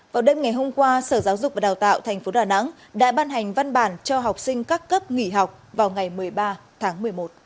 vào đêm ngày hôm qua sở giáo dục và đào tạo tp đà nẵng đã ban hành văn bản cho học sinh các cấp nghỉ học vào ngày một mươi ba tháng một mươi một